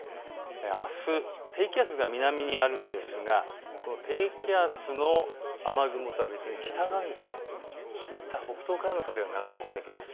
あす低気圧が南にあるんですがこの低気圧の雨雲とは別に北側に湿った北東からの風が流れ込んできます。